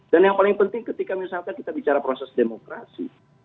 dan yang paling penting ketika misalkan kita bicara proses demokrasi